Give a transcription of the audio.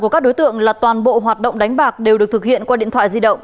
các đối tượng là toàn bộ hoạt động đánh bạc đều được thực hiện qua điện thoại di động